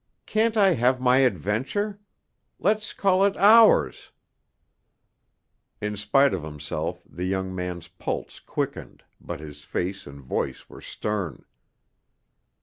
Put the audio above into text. "Can't I have my adventure? Let's call it ours." In spite of himself, the young man's pulse quickened, but his face and voice were stern.